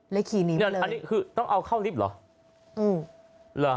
เลยขี่นีไปเลยอันนี้คือต้องเอาเข้าลิฟต์เหรอ